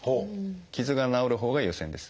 傷が治るほうが優先です。